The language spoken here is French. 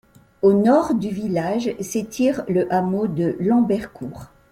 Au nord du village, s'étire le hameau de Lambercourt.